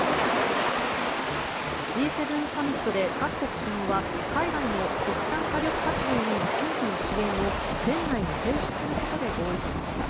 Ｇ７サミットで各国首脳は海外の石炭火力発電への新規の支援を年内に停止することで合意しました。